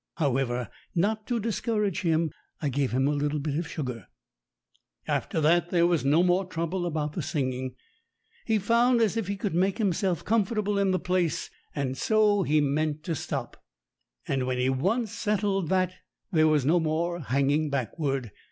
However, not to discourage him, I gave him a little bit of sugar. After that there was no more trouble about the singing. He'd found as he could make himself com fortable in the place, and so he meant to stop. And when he once settled that, there was no more hanging backward.